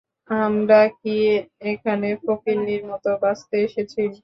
আমরা কি এখানে ফকিন্নির মতো বাঁচতে এসেছি?